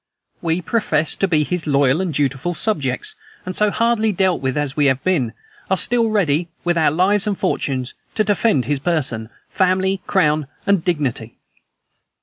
We profess to be his loyal and dutiful subjects, and so hardly dealt with as we have been, are still ready, with our lives and fortunes, to defend his person, family, crown, and dignity.